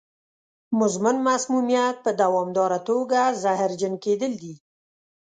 مزمن مسمومیت په دوامداره توګه زهرجن کېدل دي.